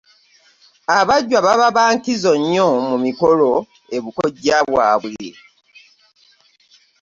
Abajjwa baba ba nkizo nnyo mu mikolo e bukojja bwabwe.